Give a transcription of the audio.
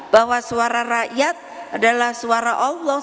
bahwa suara rakyat adalah suara allah